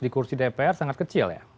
di kursi dpr sangat kecil ya